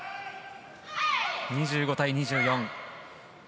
２５対２４。